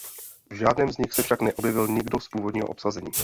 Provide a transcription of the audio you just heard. V žádném z nich se však neobjevil nikdo z původního obsazení.